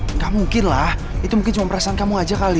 enggak mungkin lah itu mungkin cuma perasaan kamu aja kali